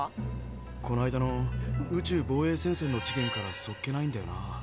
こないだの宇宙防衛戦線の事件からそっけないんだよな。